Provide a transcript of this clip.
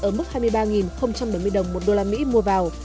ở mức hai mươi ba bảy mươi đồng một đô la mỹ mua vào